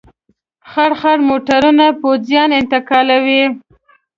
خړ خړ موټرونه پوځیان انتقالول.